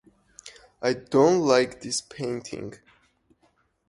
I don't like this painting.